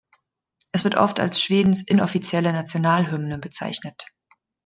Es wird oft als Schwedens inoffizielle Nationalhymne bezeichnet.